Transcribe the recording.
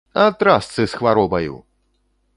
А трасцы з хваробаю!